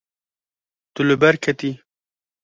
Tu li ber ketî.